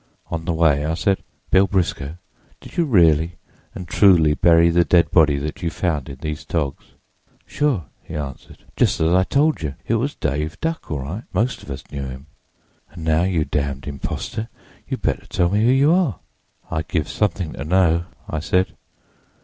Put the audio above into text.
On the way I said: "'Bill Briscoe, did you really and truly bury the dead body that you found in these togs?' "'Sure,' he answered—'just as I told you. It was Dave Duck, all right; most of us knew him. And now, you damned impostor, you'd better tell me who you are.' "'I'd give something to know,' I said.